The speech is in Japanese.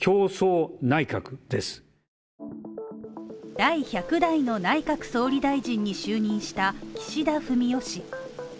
第１００代の内閣総理大臣に就任した岸田文雄氏。